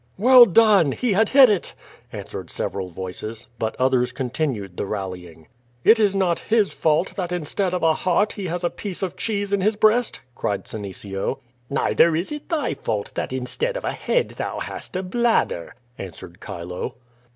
"Well done! He had hit it!" answered several voices, but others continued the rallying. "It is not his fault that instead of a heart he has a piece of cheese in his breast!" cried Senecio. "Neither is it thy fault that instead of a head thou hast a bladder," answered Chilo.